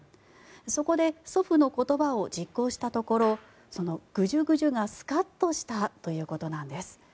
そこで祖父の言葉を実行したところそのぐじゅぐじゅがスカッとしたということです。